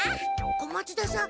小松田さん